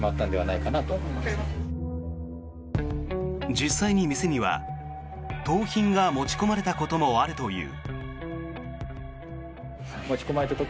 実際に店には、盗品が持ち込まれたこともあるという。